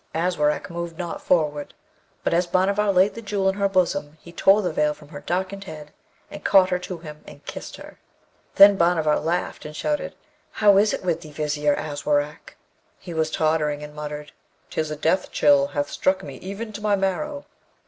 Aswarak moved not forward; but as Bhanavar laid the Jewel in her bosom he tore the veil from her darkened head, and caught her to him and kissed her. Then Bhanavar laughed and shouted, 'How is it with thee, Vizier Aswarak?' He was tottering, and muttered, ''Tis a death chill hath struck me even to my marrow.'